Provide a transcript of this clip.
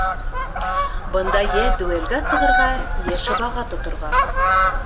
Бында йә дуэлгә сығырға, йә шыбаға тоторға.